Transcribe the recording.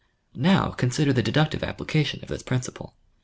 Now consider the deductive application of this principle.